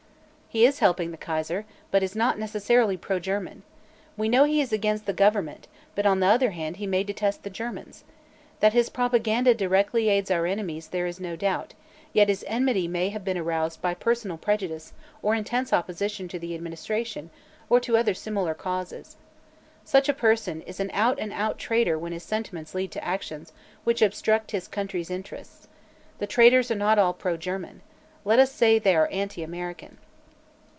"He is helping the Kaiser, but is not necessarily pro German. We know he is against the government, but on the other hand he may detest the Germans. That his propaganda directly aids our enemies there is no doubt, yet his enmity may have been aroused by personal prejudice or intense opposition to the administration or to other similar cause. Such a person is an out and out traitor when his sentiments lead to actions which obstruct his country's interests. The traitors are not all pro German. Let us say they are anti American."